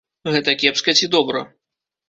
Гэта кепска ці добра?